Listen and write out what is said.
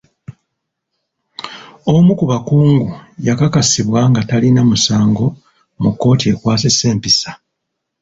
Omu ku bakungu yakakasibwa nga talina musango mu kkooti ekwasisa empisa.